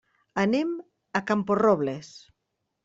Anem a Camporrobles.